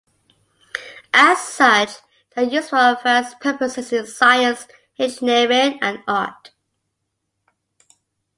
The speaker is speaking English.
As such, they are used for various purposes in science, engineering, and art.